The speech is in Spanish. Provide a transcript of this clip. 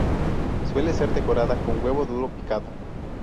Suele ser decorada con huevo duro picado.